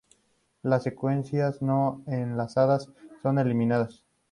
Las secuencias no enlazadas son eliminadas.